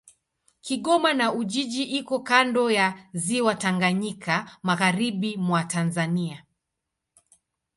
Kigoma na Ujiji iko kando ya Ziwa Tanganyika, magharibi mwa Tanzania.